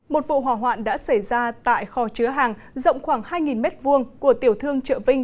một vụ hỏa hoạn đã xảy ra tại kho chứa hàng rộng khoảng hai m hai của tiểu thương chợ vinh